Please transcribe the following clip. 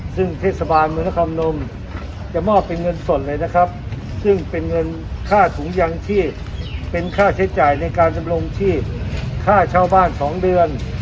ซึ่งเทศบาลเมืองนครนมจะมอบเป็นเงินสดเลยนะครับซึ่งเป็นเงินค่าถุงยางที่เป็นค่าใช้จ่ายในการดำรงชีพค่าเช่าบ้าน๒เดือน